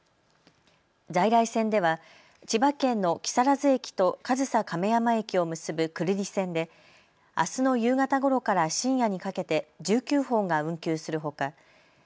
在来線では千葉県の木更津駅と上総亀山駅を結ぶ久留里線であすの夕方ごろから深夜にかけて１９本が運休するほか